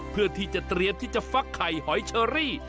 เพื่อที่จะเตรียมที่จะฟักไข่หอยเชอรี่